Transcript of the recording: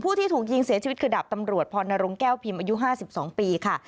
ที่ถูกยิงเสียชีวิตคือดาบตำรวจพรนรงแก้วพิมพ์อายุ๕๒ปีค่ะ